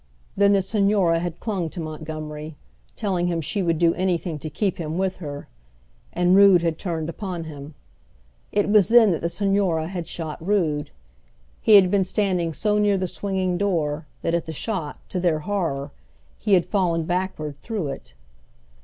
Then the Señora had clung to Montgomery, telling him she would do anything to keep him with her; and Rood had turned upon him. It was then that the Señora had shot Rood. He had been standing so near the swinging door that at the shot, to their horror, he had fallen backward through it.